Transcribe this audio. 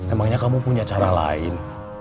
emangnya kamu punya cara lain